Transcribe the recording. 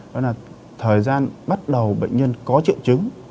đó là thời gian bắt đầu bệnh nhân có triệu chứng